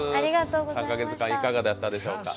３カ月間、いかがだったでしょうか？